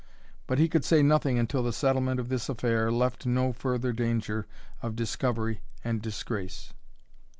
But he could say nothing until the settlement of this affair left no further danger of discovery and disgrace.